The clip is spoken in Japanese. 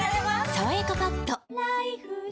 「さわやかパッド」